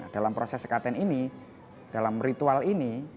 dalam proses sekaten ini dalam ritual ini